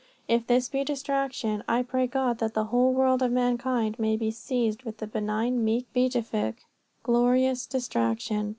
If this be distraction, I pray God that the whole world of mankind may all be seized with this benign, meek, beneficent, beatific, glorious distraction!